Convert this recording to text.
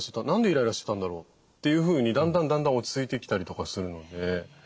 何でイライラしてたんだろう？というふうにだんだんだんだん落ち着いてきたりとかするので。